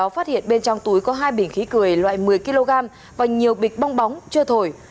phát hiện bên trong túi có hai bình khí cười loại một mươi kg và nhiều bịch bong bóng chưa thổi